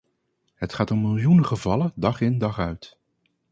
Het gaat om miljoenen gevallen dag in dag uit.